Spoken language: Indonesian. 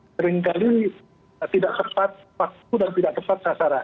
seringkali tidak tepat waktu dan tidak tepat sasaran